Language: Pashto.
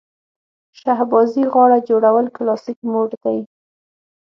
شهبازي غاړه جوړول کلاسیک موډ دی.